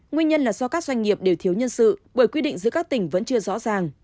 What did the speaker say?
nguyên nhân là do các doanh nghiệp đều thiếu nhân sự bởi quy định giữa các tỉnh vẫn chưa rõ ràng